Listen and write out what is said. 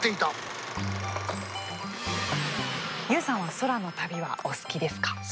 ＹＯＵさんは空の旅はお好きですか？